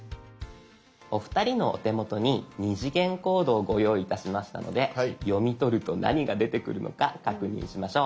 お二人のお手元に２次元コードをご用意いたしましたので読み取ると何が出てくるのか確認しましょう。